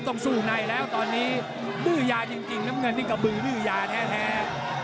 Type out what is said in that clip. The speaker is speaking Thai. ต้องสู้ในแล้วตอนนี้ดื้อยาจริงน้ำเงินนี่กระบือดื้อยาแท้